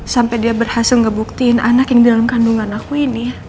sampai dia berhasil ngebuktiin anak yang dalam kandungan aku ini ya